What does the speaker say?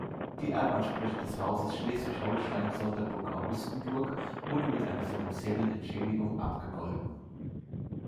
Die Erbansprüche des Hauses Schleswig-Holstein-Sonderburg-Augustenburg wurden mit einer finanziellen Entschädigung abgegolten.